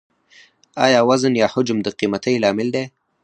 آیا وزن یا حجم د قیمتۍ لامل دی؟